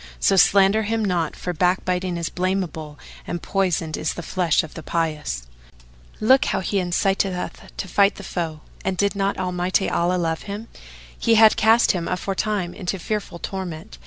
So slander him not, for backbiting is blameable and poisoned is the flesh of the pious.[FN#443] Look how he inciteth us to fight the foe; and, did not Almighty Allah love him, He had cast him aforetime into fearful torment."